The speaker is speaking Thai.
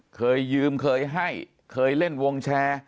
เคยยืมเคยให้เคยเล่นวงแชร์